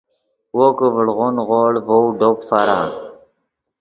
وو کہ ڤڑغو نیغوڑ ڤؤ ڈوپ فرا